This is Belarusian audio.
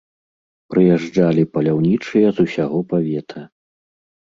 Прыязджалі паляўнічыя з усяго павета.